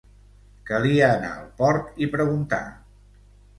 Calia anar al port i preguntar.